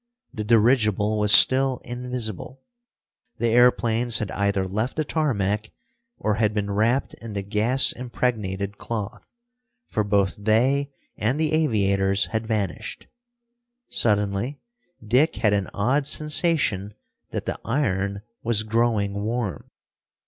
The dirigible was still invisible. The airplanes had either left the tarmac or had been wrapped in the gas impregnated cloth, for both they and the aviators had vanished. Suddenly Dick had an odd sensation that the iron was growing warm.